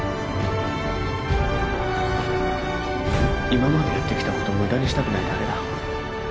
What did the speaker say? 今までやってきたこと無駄にしたくないだけだ